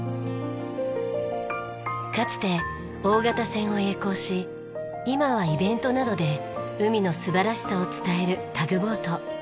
かつて大型船を曳航し今はイベントなどで海の素晴らしさを伝えるタグボート。